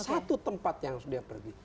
satu tempat yang harus dia pergi